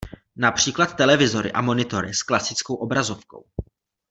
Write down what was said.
Například televizory a monitory s klasickou obrazovkou.